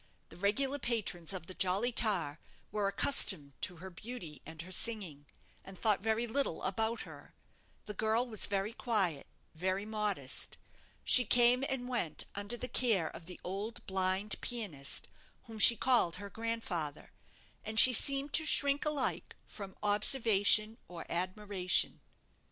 The regular patrons of the 'Jolly Tar' were accustomed to her beauty and her singing, and thought very little about her. The girl was very quiet, very modest. She came and went under the care of the old blind pianist, whom she called her grandfather, and she seemed to shrink alike from observation or admiration.